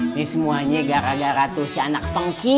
ini semuanya gara gara tuh si anak fengki